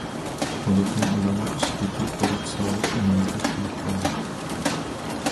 بولۇپمۇ ئۇلارنىڭ ئىچىدىكى پولات ساۋۇت ئىنىمىزدەك بولۇپ قالدى.